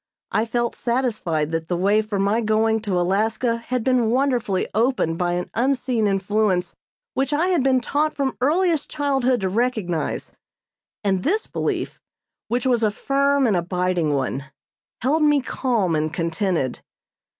I felt satisfied that the way for my going to Alaska had been wonderfully opened by an Unseen Influence which I had been taught from earliest childhood to recognize, and this belief, which was a firm and abiding one, held me calm and contented.